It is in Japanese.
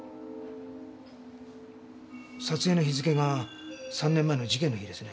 撮影の日付が３年前の事件の日ですね。